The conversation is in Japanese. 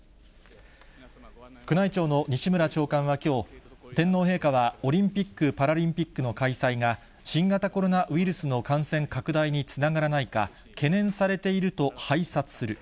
宮内庁の西村長官はきょう、天皇陛下はオリンピック・パラリンピックの開催が、新型コロナウイルスの感染拡大につながらないか、懸念されていると拝察する。